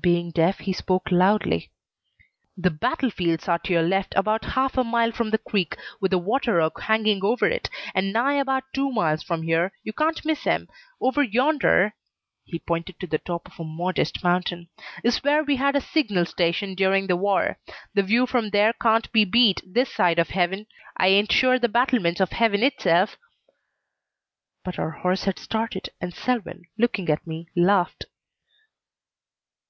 Being deaf, he spoke loudly. "The battlefields are to your left about half a mile from the creek with a water oak hanging over it, and nigh about two miles from here. You can't miss 'em. Over yonder" he pointed to the top of a modest mountain "is where we had a signal station during the war. The view from there can't be beat this side of heaven. I ain't sure the battlements of heaven itself " But our horse had started and Selwyn, looking at me, laughed.